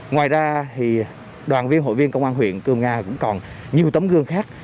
ngoài ra thì đoàn viên hội viên công an huyện cư mở ga cũng còn nhiều tấm gương khác